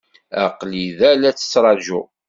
Aql-i da la tt-ttṛajuɣ.